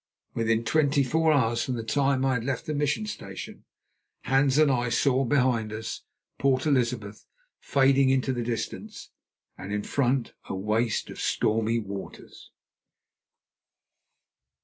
Within twenty four hours from the time I had left the Mission Station, Hans and I saw behind us Port Elizabeth fading into the distance, and in front a waste of stormy waters.